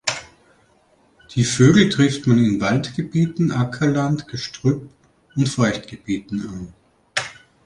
Die Vögel trifft man in Waldgebieten, Ackerland, Gestrüpp und Feuchtgebieten an.